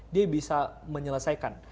dia bisa menyelesaikan